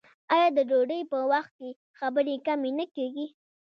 آیا د ډوډۍ په وخت کې خبرې کمې نه کیږي؟